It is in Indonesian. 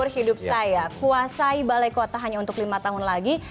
harus hidup saya kuasai balai kota hanya untuk lima tahun lagi